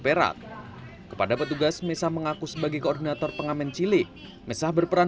perak kepada petugas mesah mengaku sebagai koordinator pengamen cilik mesah berperan